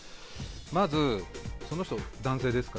まず、その人は男性ですか？